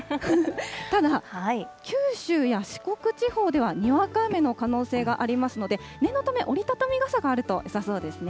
ただ、九州や四国地方では、にわか雨の可能性がありますので、念のため、折り畳み傘があるとよさそうですね。